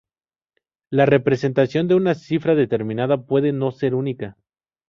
La representación de una cifra determinada puede no ser única.